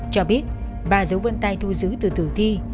cho biết ba dấu vân tay thu giữ từ thử thi